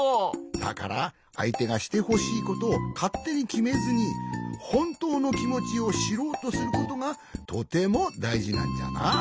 だからあいてがしてほしいことをかってにきめずにほんとうのきもちをしろうとすることがとてもだいじなんじゃな。